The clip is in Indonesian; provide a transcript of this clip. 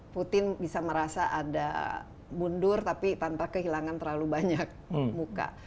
putin bisa merasa ada mundur tapi tanpa kehilangan terlalu banyak muka